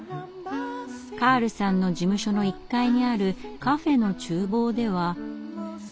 カールさんの事務所の１階にあるカフェの厨房では。